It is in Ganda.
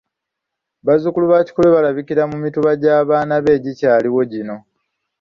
Bazzukulu ba Kikulwe balabikira mu Mituba gy'abaana be egikyaliwo gino.